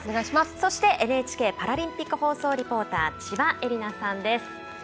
そして、ＮＨＫパラリンピック放送リポーター千葉絵里菜さんです。